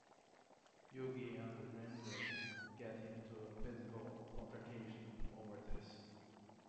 Yogi and the Ranger get into a physical altercation over this.